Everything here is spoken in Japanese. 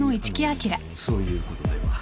あのそういうことでは。